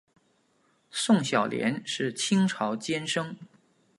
宋小濂是清朝监生。